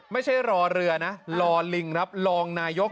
ไม่ใช่รอเรือนะรอลิงครับรองนายก